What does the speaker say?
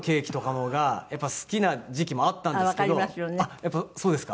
やっぱそうですか？